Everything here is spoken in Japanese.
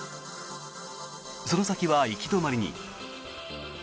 その先は行き止まりに。